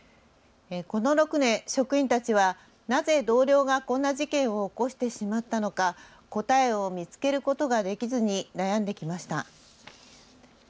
この６年、職員たちはなぜ同僚がこんな事件を起こしてしまったのか、答えを見つけることができずに悩んできました。